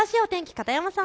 片山さん